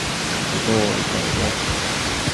তো, এটাই রাজকন্যা।